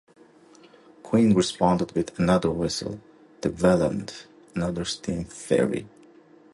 Quinn responded with another vessel, the "Welland", another steam ferry.